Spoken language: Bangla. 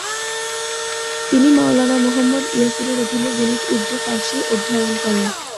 তিনি মাওলানা মুহম্মদ ইয়াসিনের অধীনে গণিত, উর্দু এবং ফারসি অধ্যয়ন করেন।